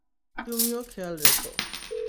তুমিও খেয়াল রেখো।